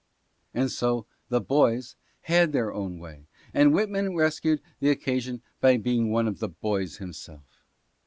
" And so " the boys " had their own way, and Whitman rescued the occasion by being one of "the boys" himself.